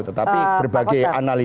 tetapi berbagai analisisnya kan